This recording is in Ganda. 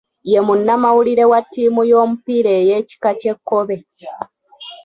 Ye munnamawulire wa ttiimu y’omupiira ey’ekika ky’ekkobe.